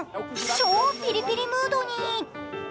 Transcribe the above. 超ピリピリムードに。